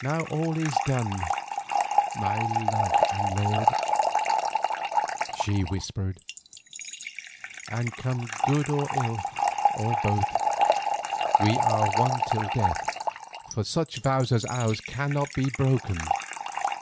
"Now all is done, my love and lord," she whispered, "and come good or ill, or both, we are one till death, for such vows as ours cannot be broken."